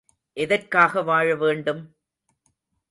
எதற்காக வாழ வேண்டும்?